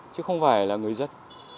chứ không phải là người dân